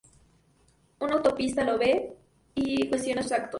Un autoestopista lo ve, y cuestiona sus actos.